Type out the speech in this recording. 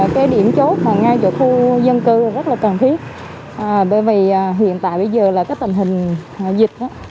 cái điểm chốt mà ngay chỗ khu dân cư rất là cần thiết bởi vì hiện tại bây giờ là cái tình hình dịch